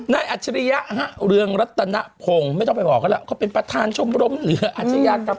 อัจฉริยะฮะเรืองรัตนพงศ์ไม่ต้องไปบอกเขาแล้วเขาเป็นประธานชมรมเหลืออาชญากรรม